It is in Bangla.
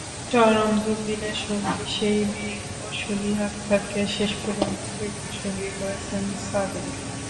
চরম দুর্দিনের সঙ্গী সেই মেয়ে মৌসুমি আক্তারকে শেষ পর্যন্ত জীবনসঙ্গী করেছেন সাদিক।